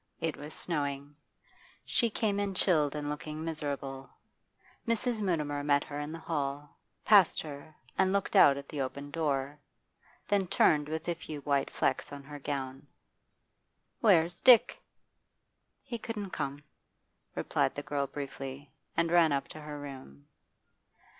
It was snowing; she came in chilled and looking miserable. Mrs. Mutimer met her in the hall, passed her, and looked out at the open door, then turned with a few white flecks on her gown. 'Where's Dick? 'He couldn't come,' replied the girl briefly, and ran up to her room.